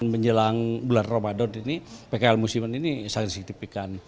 menjelang bulan ramadan ini pkl musimen ini sangat disertifikan